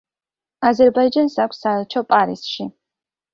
აზერბაიჯანს აქვს საელჩო პარიზში.